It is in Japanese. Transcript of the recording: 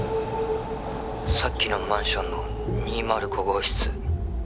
☎さっきのマンションの２０５号室